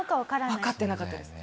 わかってなかったですね。